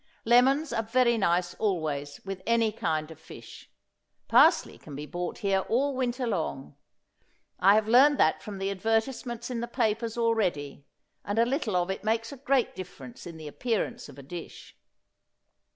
Lemons are very nice always with any kind of fish. Parsley can be bought here all winter long. I have learned that from the advertisements in the papers already; and a little of it makes a great difference in the appearance of a dish.